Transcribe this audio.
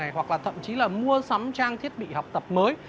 hoặc là thậm chí là mua sắm trang thiết bị học tập mới